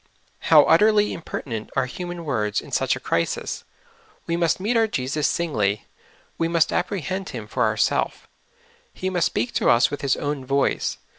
How utterly imper tinent are human words in such a crisis ! We must meet our Jesus singly ; we must apprehend Him for ourself ; He must speak to us with His own voice.